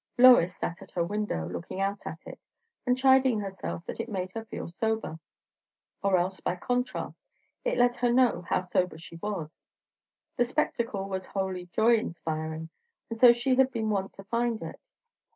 Lois sat at her window, looking out at it, and chiding herself that it made her feel sober. Or else, by contrast, it let her know how sober she was. The spectacle was wholly joy inspiring, and so she had been wont to find it.